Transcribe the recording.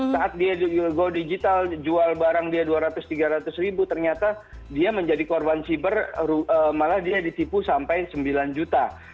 saat dia go digital jual barang dia dua ratus tiga ratus ribu ternyata dia menjadi korban siber malah dia ditipu sampai sembilan juta